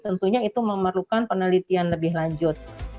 tentunya itu memerlukan penelitian lebih lanjut